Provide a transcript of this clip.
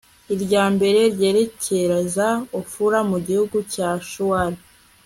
irya mbere ryerekeza ofura mu gihugu cya shuwali